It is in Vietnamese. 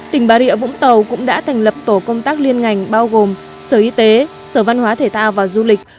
tỉnh bà rịa vũng tàu cũng đã thành lập tổ công tác liên ngành bao gồm sở y tế sở văn hóa thể thao và du lịch